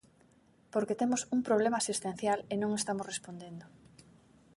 Porque temos un problema asistencial, e non estamos respondendo.